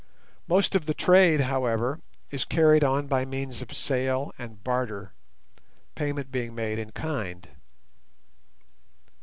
Most of the trade, however, is carried on by means of sale and barter, payment being made in kind.